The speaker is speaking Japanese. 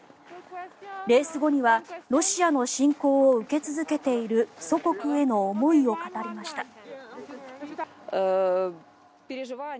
レース後にはロシアの侵攻を受け続けている祖国への思いを語りました。